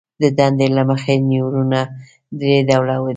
د دندې له مخې نیورونونه درې ډوله دي.